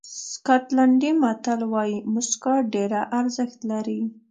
سکاټلېنډي متل وایي موسکا ډېره ارزښت لري.